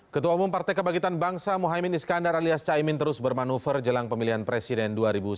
ketua umum partai kebangkitan bangsa mohaimin iskandar alias caimin terus bermanuver jelang pemilihan presiden dua ribu sembilan belas